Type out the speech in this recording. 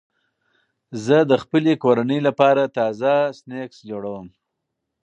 زه د خپلې کورنۍ لپاره تازه سنکس جوړوم.